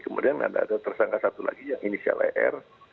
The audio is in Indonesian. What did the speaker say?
kemudian ada ada tersangka satu lagi yang inisial ar